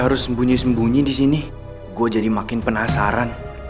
kalau sembunyi sembunyi disini gue jadi makin penasaran